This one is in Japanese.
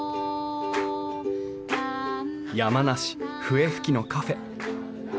山梨・笛吹のカフェ。